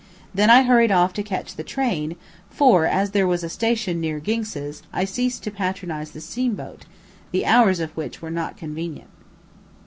Then I hurried off to catch the train, for, as there was a station near Ginx's, I ceased to patronize the steamboat, the hours of which were not convenient.